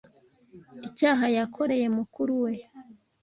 icyaha yakoreye mukuru we